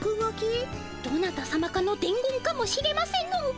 どなたさまかのでん言かもしれませぬ。